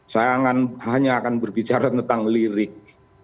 saya hanya akan berbicara tentang lirik